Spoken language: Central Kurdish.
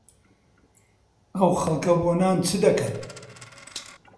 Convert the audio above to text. ئەو خەڵکە بۆ نان چ دەکەن؟